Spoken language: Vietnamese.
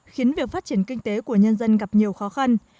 khiến việc phát triển kinh tế của nhân dân gặp nhiều khó khăn